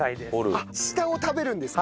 あっ下を食べるんですね。